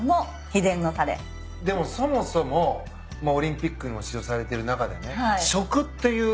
でもそもそもオリンピックにも出場されてる中でね。